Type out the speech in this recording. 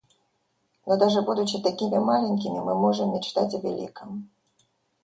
Но даже будучи такими маленькими, мы можем мечтать о великом.